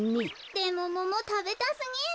でもモモたべたすぎる。